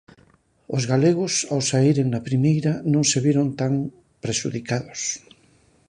Os galegos, ao saíren na primeira, non se viron tan prexudicados.